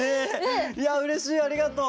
いやうれしいありがとう。